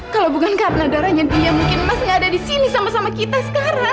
kalau bukan karena darahnya dia mungkin emas nggak ada di sini sama sama kita sekarang